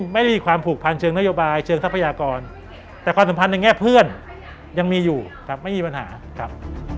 ไม่ได้มีความผูกพันเชิงนโยบายเชิงทรัพยากรแต่ความสัมพันธ์ในแง่เพื่อนยังมีอยู่ครับไม่มีปัญหาครับ